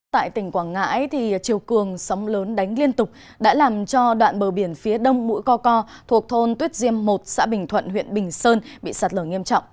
tại tỉnh quảng ngãi chiều cường sóng lớn đánh liên tục đã làm cho đoạn bờ biển phía đông mũi co co thuộc thôn tuyết diêm một xã bình thuận huyện bình sơn bị sạt lở nghiêm trọng